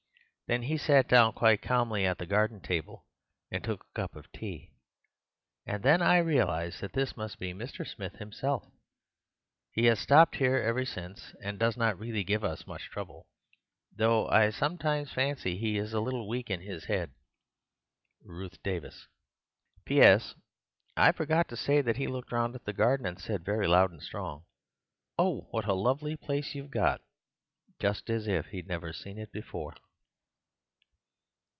Then he sat down quite calmly at the garden table and took a cup of tea, and then I realized that this must be Mr. Smith himself. He has stopped here ever since and does not really give much trouble, though I sometimes fancy he is a little weak in his head. "Ruth Davis. "P.S.—I forgot to say that he looked round at the garden and said, very loud and strong: 'Oh, what a lovely place you've got;' just as if he'd never seen it before."